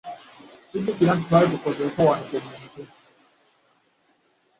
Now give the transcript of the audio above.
Ssijjukira nti twali tulonzeeko wano ku muntu.